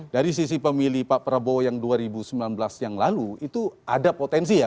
dari sisi pemilih pak prabowo yang dua ribu sembilan belas yang lalu itu ada potensi ya